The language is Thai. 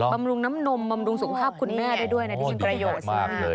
บำรุงน้ำนมบำรุงสุขภาพคุณแม่ได้ด้วยนะดีจริงมาก